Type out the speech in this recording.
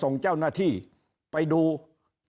คราวนี้เจ้าหน้าที่ป่าไม้รับรองแนวเนี่ยจะต้องเป็นหนังสือจากอธิบดี